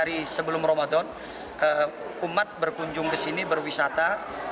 hari sebelum ramadan umat berkunjung ke sini berwisata